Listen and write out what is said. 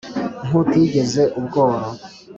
nk'utigeze ubworo